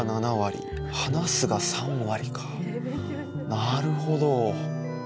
なるほど。